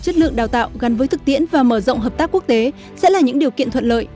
chất lượng đào tạo gắn với thực tiễn và mở rộng hợp tác quốc tế sẽ là những điều kiện thuận lợi